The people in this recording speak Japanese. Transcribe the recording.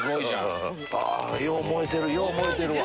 よう燃えてるよう燃えてるわ。